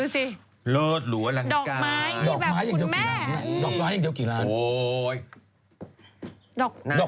ชุดหนางทั้งหมด